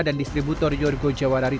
dan distributor yorgo jawa